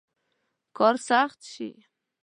کار سخت شي.